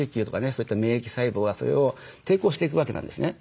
そういった免疫細胞がそれを抵抗していくわけなんですね。